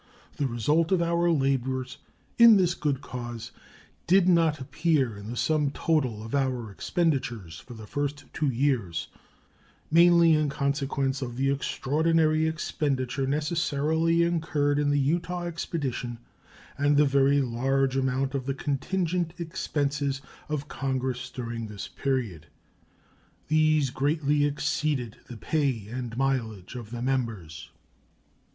The result of our labors in this good cause did not appear in the sum total of our expenditures for the first two years, mainly in consequence of the extraordinary expenditure necessarily incurred in the Utah expedition and the very large amount of the contingent expenses of Congress during this period. These greatly exceeded the pay and mileage of the members.